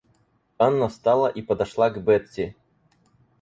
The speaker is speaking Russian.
Анна встала и подошла к Бетси.